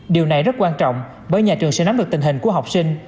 điều này rất quan trọng bởi nhà trường sẽ nắm được tình hình của học sinh